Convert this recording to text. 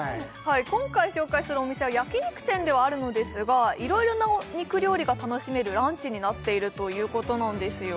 今回紹介するお店は焼肉店ではあるのですがいろいろな肉料理が楽しめるランチになっているということなんですよ